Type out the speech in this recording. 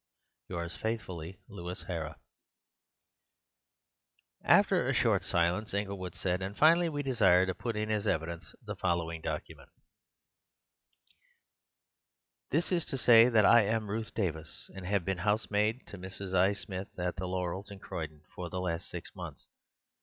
— Yours faithfully, Louis Hara." After a short silence Inglewood said: "And, finally, we desire to put in as evidence the following document:— "This is to say that I am Ruth Davis, and have been housemaid to Mrs. I. Smith at 'The Laurels' in Croydon for the last six months.